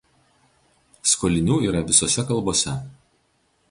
Skolinių yra visose kalbose.